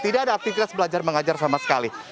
tidak ada aktivitas belajar mengajar sama sekali